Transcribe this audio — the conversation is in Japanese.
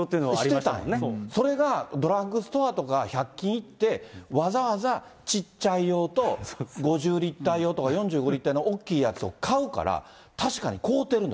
してたのね、それがドラッグストアとか、１００均行って、わざわざちっちゃい用と５０リッター用とか、４５リッター用の大きいやつを買うから、確かに買ってるの。